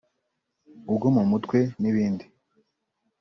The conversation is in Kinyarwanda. ubwo mu mutwe n’ibindi